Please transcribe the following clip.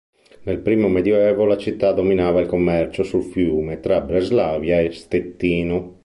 Nel primo Medioevo la città dominava il commercio sul fiume tra Breslavia e Stettino.